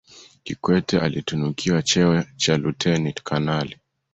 kikwete alitunukiwa cheo cha luteni kanali